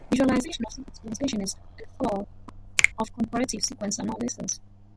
Visualization of sequence conservation is a tough task of comparative sequence analysis.